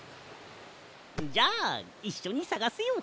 じゃあいっしょにさがすよ。